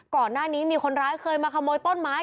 ก่อนหน้านี้มีคนร้ายเคยมาขโมยต้นไม้